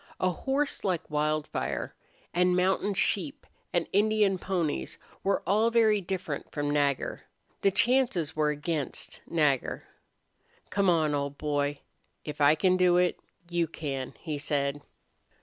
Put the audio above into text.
A horse like Wildfire, and mountain sheep and Indian ponies, were all very different from Nagger. The chances were against Nagger. "Come on, old boy. If I can do it, you can," he said.